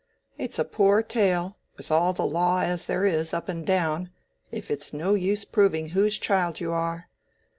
It's a poor tale, with all the law as there is up and down, if it's no use proving whose child you are.